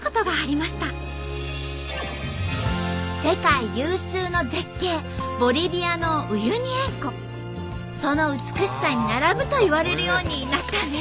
世界有数の絶景その美しさに並ぶと言われるようになったんです。